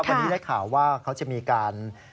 วันนี้ได้ข่าวว่าเขาจะมีการ